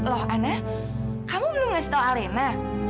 loh ana kamu belum ngasih tau alayna